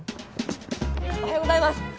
おはようございます。